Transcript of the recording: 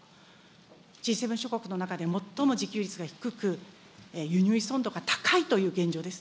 Ｇ７諸国の中で最も自給率が低く、輸入依存度が高いという現状です。